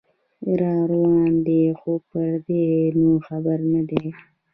راروان دی خو پردې نو خبر نه دی